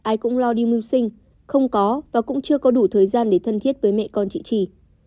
ai cũng lo đi mưu sinh không có và cũng chưa có đủ thời gian để thân thiết với mẹ con chị trì